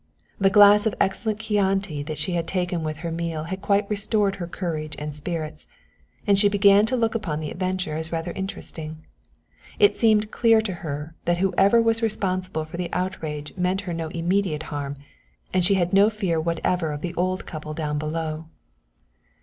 The glass of excellent Chianti that she had taken with her meal had quite restored her courage and spirits, and she began to look upon the adventure as rather interesting. It seemed clear to her that whoever was responsible for the outrage meant her no immediate harm, and she had no fear whatever of the old couple down below.